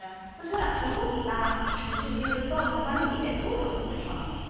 そしたら残った蒸し汁とたまねぎでソースを作ります。